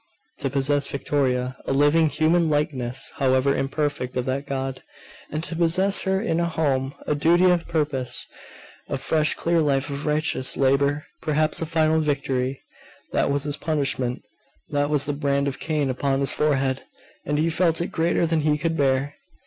To possess Victoria, a living, human likeness, however imperfect, of that God; and to possess in her a home, a duty, a purpose, a fresh clear life of righteous labour, perhaps of final victory.... That was his punishment; that was the brand of Cain upon his forehead; and he felt it greater than he could bear.